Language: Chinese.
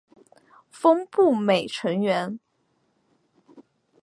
峰步美成员。